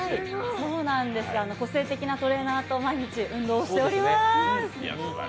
そうなんです、個性的なトレーナーと毎日運動しております。